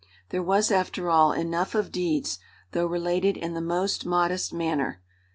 There was, after all, enough of deeds, though related in the most modest manner.